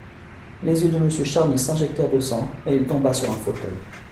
Les yeux de Monsieur de Charny s'injectèrent de sang, et il tomba sur un fauteuil.